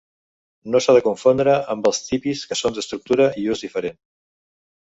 No s'ha de confondre amb els tipis que són d'estructura i ús diferent.